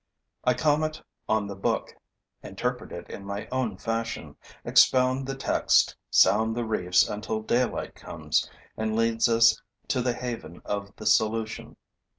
I comment on the book, interpret it in my own fashion, expound the text, sound the reefs until daylight comes and leads us to the haven of the solution.